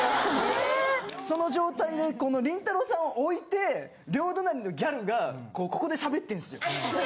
その状態でこのりんたろーさんを置いて両隣のギャルがここでしゃべってんすよ。